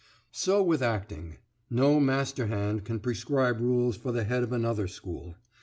So with acting, no master hand can prescribe rules for the head of another school.